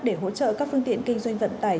để hỗ trợ các phương tiện kinh doanh vận tải